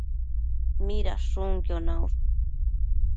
Midashunquio naush?